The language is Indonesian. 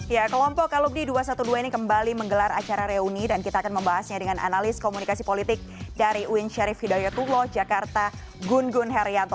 ya kelompok alumni dua ratus dua belas ini kembali menggelar acara reuni dan kita akan membahasnya dengan analis komunikasi politik dari uin syarif hidayatullah jakarta gun gun herianto